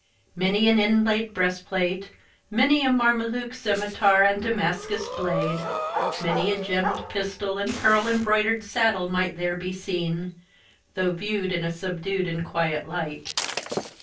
Many an inlaid breastplate many a Mameluke scimitar and Damascus blade many a gemmed pistol and pearl embroided saddle might there be seen, though viewed in a subdued and quiet light.